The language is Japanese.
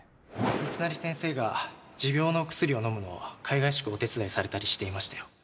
密成先生が持病のお薬を飲むのをかいがいしくお手伝いされたりしていましたよ